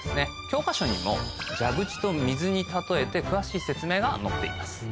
教科書にも蛇口と水に例えて詳しい説明が載っています。